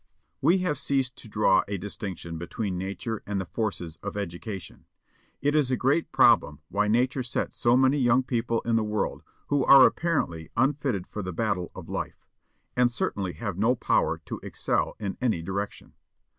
We have ceased to draw a distinction between Nature and the forces of education. It is a great problem why Nature sets so many young people in the world who are apparently unfitted for the battle of life, and certainly have no power to excel in any direction.